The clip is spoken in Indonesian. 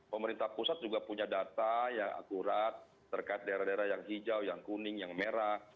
pemerintah pusat juga punya data yang akurat terkait daerah daerah yang hijau yang kuning yang merah